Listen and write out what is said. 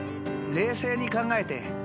冷静に考えて昴